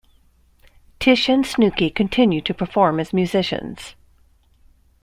Tish and Snooky continue to perform as musicians.